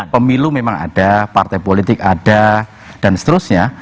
pemilu memang ada partai politik ada dan seterusnya